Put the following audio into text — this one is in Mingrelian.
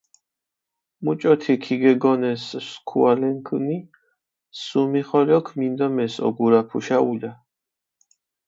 მუჭოთი ქიგეგონეს სქუალენქჷნი, სუმიხოლოქ მინდომეს ოგურაფუშა ულა.